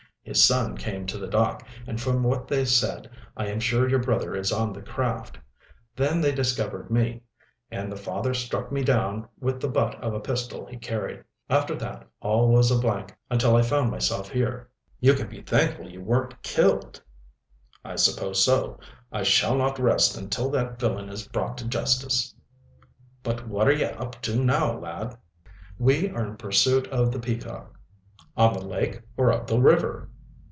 "His son came to the dock, and from what they said I am sure your brother is on the craft. Then they discovered me, and the father struck me down with the butt of a pistol he carried. After that all was a blank until I found myself here." "You can be thankful you weren't killed." "I suppose so. I shall not rest until that villain is brought to justice. But what are ye up to now, lad?" "We are in pursuit of the Peacock." "On the lake or up the river?"